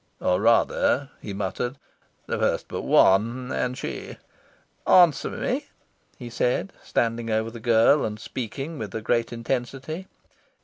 Or rather," he muttered, "the first but one. And she... Answer me," he said, standing over the girl, and speaking with a great intensity.